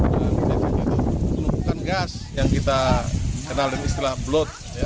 dan dia juga menumpukan gas yang kita kenalin istilah blot